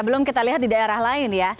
belum kita lihat di daerah lain ya